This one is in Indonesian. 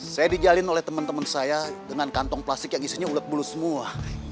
saya dijalin oleh teman teman saya dengan kantong plastik yang isinya ulet bulu semua